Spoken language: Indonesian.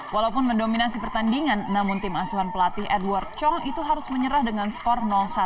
walaupun mendominasi pertandingan namun tim asuhan pelatih edward chong itu harus menyerah dengan skor satu